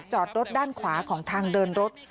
จอดรถด้านขวาของทางเดินรถ